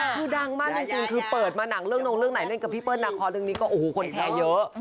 คือดังมากจริงคือเปิดมาหนังเรื่องนงเรื่องไหนเล่นกับพี่เปิ้ลนาคอเรื่องนี้ก็โอ้โหคนแชร์เยอะ